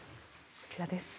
こちらです。